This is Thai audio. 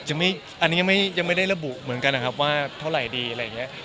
อันนี้ยังไม่ได้ระบุเหมือนกันนะครับว่าเท่าไหร่ดีอะไรอย่างนี้